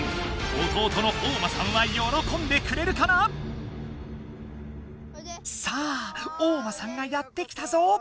弟のおうまさんはよろこんでくれるかな⁉さあおうまさんがやって来たぞ。